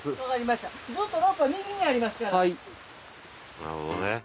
なるほどね。